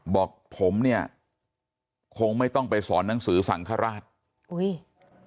บอกผมเนี่ยคงไม่ต้องไปสอนหนังสือสังฆราชอุ้ย